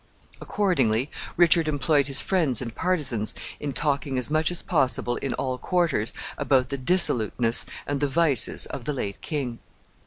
Accordingly, Richard employed his friends and partisans in talking as much as possible in all quarters about the dissoluteness and the vices of the late king.